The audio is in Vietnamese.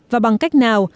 và bằng cách nào